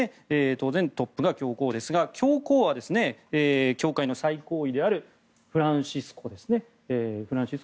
当然、トップが教皇ですが教皇は教会の最高位であるフランシスコですね。